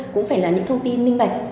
cũng phải là những thông tin minh bạch